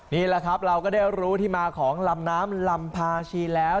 นี่แหละครับเราก็ได้รู้ที่มาของลำน้ำลำพาชีแล้ว